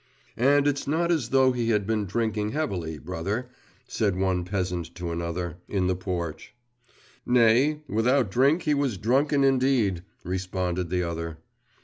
'And it's not as though he had been drinking heavily, brother,' said one peasant to another, in the porch. 'Nay, without drink he was drunken indeed,' responded the other.